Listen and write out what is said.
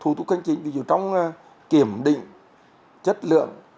thủ tục canh chính ví dụ trong kiểm định chất lượng